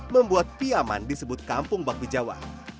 membuat piyaman disebut kampung bakmi jawa